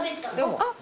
あっ！